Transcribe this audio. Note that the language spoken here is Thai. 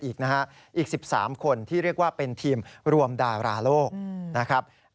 อีกนะฮะอีก๑๓คนที่เรียกว่าเป็นทีมรวมดาราโลกนะครับ